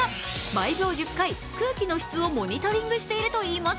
毎秒１０回、空気の質をモニタリングしているといいます。